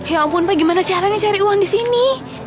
ya ampun pak gimana caranya cari uang disini